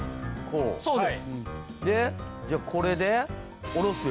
じゃあこれで下ろすよ？